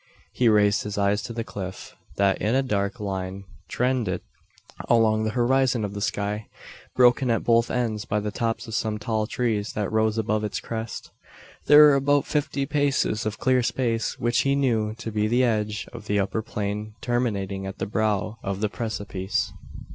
He raised his eyes to the cliff, that in a dark line trended along the horizon of the sky broken at both ends by the tops of some tall trees that rose above its crest. There were about fifty paces of clear space, which he knew to be the edge of the upper plain terminating at the brow of the precipice.